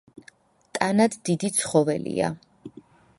ტანად დიდი ცხოველია.